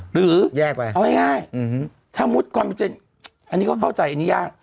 หรือแยกไปเอาง่ายถ้ามุติความเจนอันนี้ก็เข้าใจอันนี้ยาก